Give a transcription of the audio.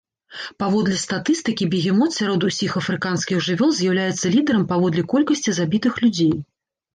Паводле статыстыкі, бегемот сярод усіх афрыканскіх жывёл з'яўляецца лідарам паводле колькасці забітых людзей.